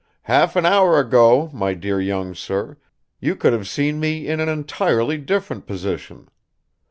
Half an hour ago, my dear young sir, you could have seen me in an entirely different position.